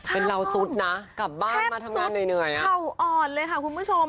ภาพอ้อตแทบสุดเข่าอ่อนเลยคุณผู้ชม